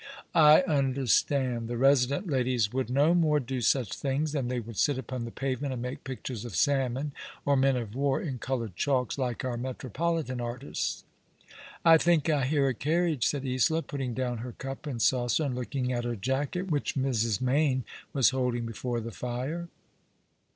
" I understand. The resident ladies would no more do such things than they would sit upon the pavement and make pictures of salmon or men of war in coloured chalks, like our Metropolitan artists.'* " I think I hear a carriage," said Isola, putting down her cup and saucer, and looking at her jacket, which Mrs. Mayne was holding before the lire.